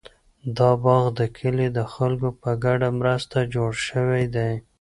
دا باغ د کلي د خلکو په ګډه مرسته جوړ شوی دی.